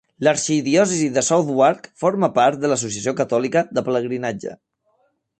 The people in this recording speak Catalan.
L'arxidiòcesi de Southwark forma part de l'Associació Catòlica de Pelegrinatge.